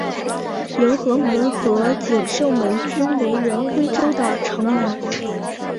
迎和门和景圣门均为原归州的城门。